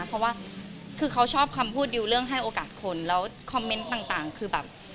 เพราะว่าคือเขาชอบคำพูดดิวเรื่องให้โอกาสคนแล้วคอมเมนต์ต่างคือแบบ